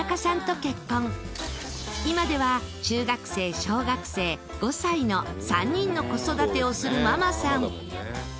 今では中学生小学生５歳の３人の子育てをするママさん。